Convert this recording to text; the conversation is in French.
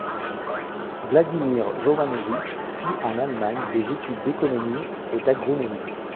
Vladimir Jovanović fit en Allemagne des études d'économie et d’agronomie.